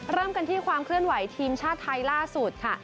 เริ่มกันที่ความเคลื่อนไหวทีมชาติไทยล่าสุดค่ะ